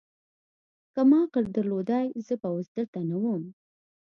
که ما عقل درلودای، زه به اوس دلته نه ووم.